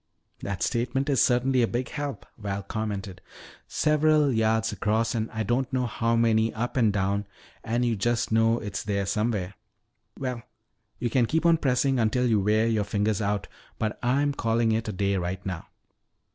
"That statement is certainly a big help," Val commented. "Several yards across and I don't know how many up and down and you just know it's there somewhere. Well, you can keep on pressing until you wear your fingers out, but I'm calling it a day right now."